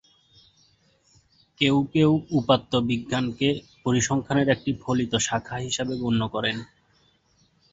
কেউ কেউ উপাত্ত বিজ্ঞানকে পরিসংখ্যানের একটি ফলিত শাখা হিসেবে গণ্য করেন।